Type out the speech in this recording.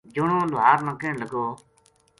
جنو لوہار نا کہن لگو